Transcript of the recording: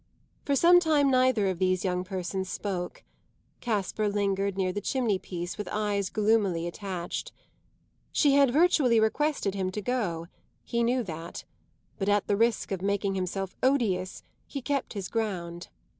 For some time neither of these young persons spoke; Caspar lingered near the chimney piece with eyes gloomily attached. She had virtually requested him to go he knew that; but at the risk of making himself odious he kept his ground.